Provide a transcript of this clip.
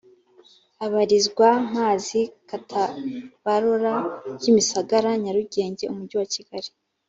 abarizwa mpazi katabarora kimisagara nyarugenge umujyi wa kigali